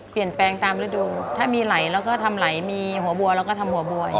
เปลี่ยนแปลงตามฤดูถ้ามีไหลแล้วก็ทำไหลมีหัวบัวแล้วก็ทำหัวบัว